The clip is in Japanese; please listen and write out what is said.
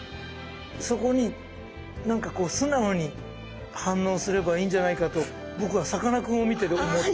そこに何かこう素直に反応すればいいんじゃないかと僕はさかなクンを見てて思った。